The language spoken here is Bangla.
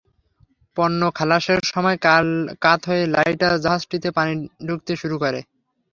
পণ্য খালাসের সময় কাত হয়ে লাইটার জাহাজটিতে পানি ঢুকতে শুরু করে।